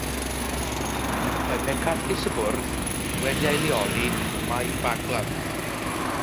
Mae pencadlys y bwrdd wedi ei leoli ym Mae Baglan.